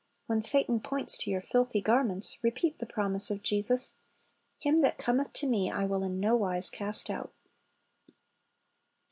When Satan points to your filthy garments, repeat the promise of Jesus, "Him that cometh to Me I will in no wise cast out."